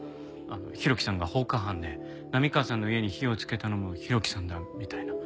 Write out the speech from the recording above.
浩喜さんが放火犯で波川さんの家に火をつけたのも浩喜さんだみたいな。